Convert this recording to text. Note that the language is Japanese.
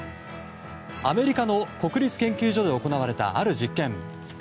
アメリカの国立研究所で行われたある実験。